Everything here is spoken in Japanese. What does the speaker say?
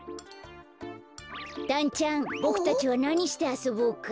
だんちゃんボクたちはなにしてあそぼうか？